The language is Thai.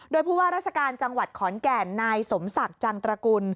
โดยผู้ว่าราชการจังหวัดขอนแก่นนายสมศักดิ์จังตระกุล